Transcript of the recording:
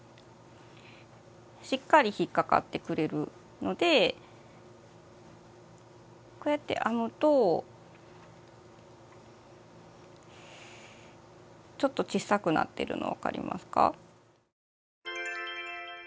しっかり引っ掛かってくれるのでこうやって編むとちょっと小さくなってるの分かりますか？